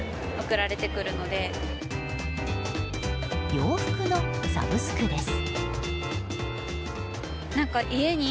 洋服のサブスクです。